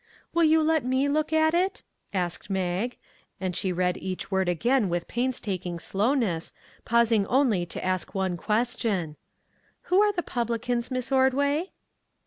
" Will you let me look at it? " asked Mag, and she read each word again with painstaking slowness, pausing only to ask one question: " Who are the publicans, Miss Ordway